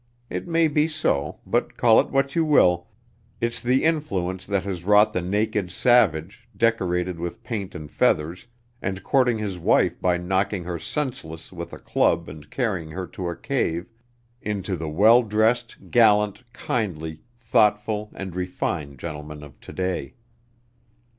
It may be so, but call it what you will, it's the influence that has wrought the naked savage, decorated with paint and feathers, and courting his wife by knocking her senseless with a club and carrying her to a cave, into the well dressed, gallant, kindly, thoughtful and refined gentleman of to day.